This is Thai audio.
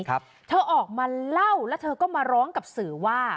เธอออกมาเล่าแล้วเธอก็มาร้องกับสื่อว่า